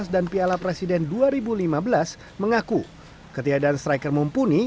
dan piala presiden dua ribu lima belas mengaku ketiadaan striker mumpuni